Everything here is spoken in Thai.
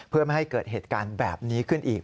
เพื่อไม่ให้เกิดเหตุการณ์แบบนี้ขึ้นอีก